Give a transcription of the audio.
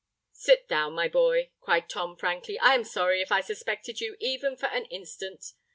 "Sit down, my boy," cried Tom frankly: "I am sorry if I suspected you even for an instant.